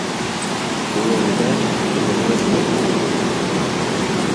Было відаць, што яны абмяркоўвалі гэта.